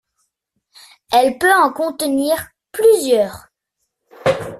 Elle peut en contenir plusieurs.